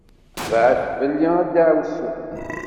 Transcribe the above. Bɛed fell-i a ddeɛwessu!